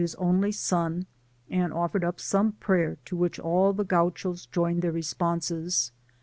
of bis only son, and offered up some prayer, to which all the Gauchos joined their responses.